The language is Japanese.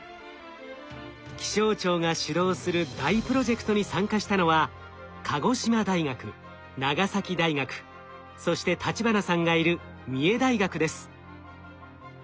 気象庁が主導する大プロジェクトに参加したのは鹿児島大学長崎大学そして立花さんがいる三重大学です。